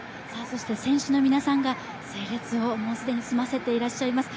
選手の皆さんが整列をもう既に済ませていらっしゃいます。